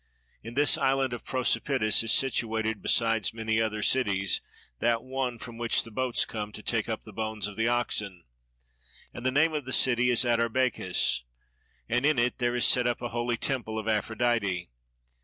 In this island of Prosopitis is situated, besides many other cities, that one from which the boats come to take up the bones of the oxen, and the name of the city is Atarbechis, and in it there is set up a holy temple of Aphrodite.